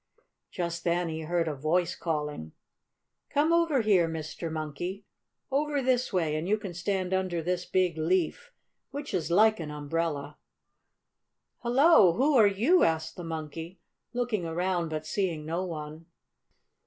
Just then he heard a voice calling: "Come over here, Mr. Monkey! Over this way, and you can stand under this big leaf, which is like an umbrella!" "Hello! Who are you?" asked the Monkey, looking around, but seeing no one.